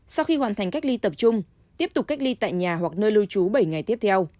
sau khi hoàn thành cách ly tập trung tiếp tục cách ly tại nhà hoặc nơi lưu trú bảy ngày tiếp theo